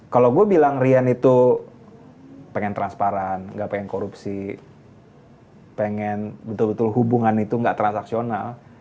kalau gue bilang rian itu pengen transparan gak pengen korupsi pengen betul betul hubungan itu gak transaksional